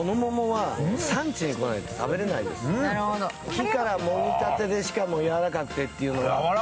木からもぎたてでしかやわらかくてというのは。